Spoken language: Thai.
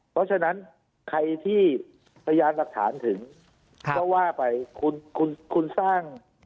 เพราะฉะนั้นใครที่พยานหลักฐานถึงก็ว่าไปคุณคุณสร้าง